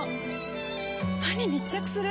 歯に密着する！